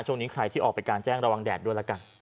ช่วงนี้ใครที่ออกไปกลางแจ้งระวังแดดด้วยละกัน